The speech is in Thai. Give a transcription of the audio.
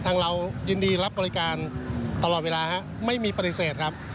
เรายินดีรับบริการตลอดเวลาฮะไม่มีปฏิเสธครับ